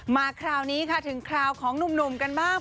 มาคราวนี้ค่ะถึงคราวของหนุ่มกันบ้าง